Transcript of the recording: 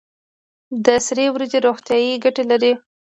د سرې وریجې روغتیایی ګټې لري.